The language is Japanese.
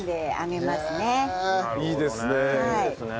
いいですね。